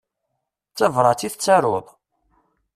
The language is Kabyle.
D tabrat i tettaruḍ?